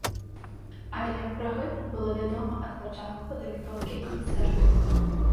Але пра гэта было вядома ад пачатку падрыхтоўкі канцэрту.